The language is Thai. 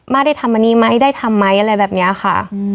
ได้ทำอันนี้ไหมได้ทำไหมอะไรแบบนี้ค่ะ